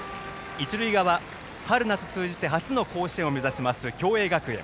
一塁側、春夏通じて初の甲子園を目指します共栄学園。